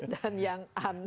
dan yang un